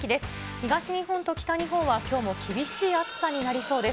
東日本と北日本はきょうも厳しい暑さになりそうです。